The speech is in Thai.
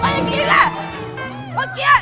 เมื่อกี้เนี่ย